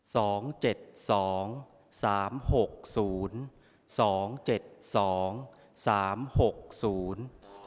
สองเจ็ดสองสามหกศูนย์สองเจ็ดสองสามหกศูนย์